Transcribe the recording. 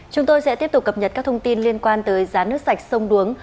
chúng tôi sẽ tiếp tục cập nhật các thông tin liên quan tới giá nước sạch sông đuống